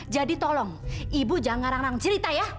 jadi tolong ibu jangan ngarang nang cerita ya